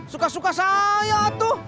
suka suka saya tuh